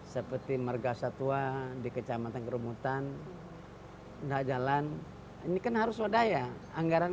seperti mergasatua di kecamatan kerumutan enggak jalan ini kan harus wadah ya anggaran